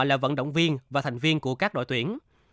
là vận động viên và thành viên của các đội tuyển